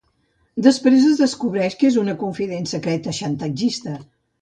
Després es descobreix que és una confident secreta xantatgista.